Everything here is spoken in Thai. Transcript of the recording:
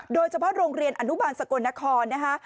โดยเฉพาะโรงเรียนอนุบาลสกลนครนะคะ